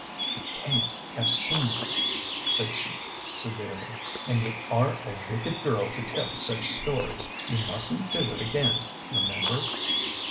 " You can't have seen her," said she, severely, " an' you are a wicked girl to tell such stories. You mustn't do it again, remember."